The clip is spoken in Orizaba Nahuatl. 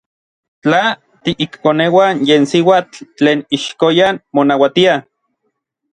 Tla tiikoneuan yen siuatl tlen ixkoyan monauatia.